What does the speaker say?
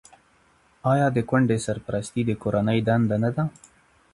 آیا د کونډې سرپرستي د کورنۍ دنده نه ده؟